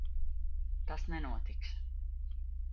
Tas nenotiks.